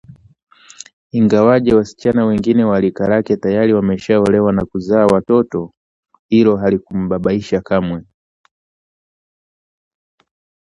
Ingawaje wasichana wengine wa rika lake tayari wameshaolewa na kuzaa watoto hilo halikumbabaisha kamwe